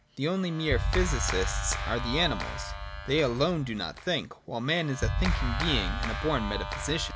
The only mere physicists are the animals : they alone do not think : while man is a thinking being and a born metaphysician.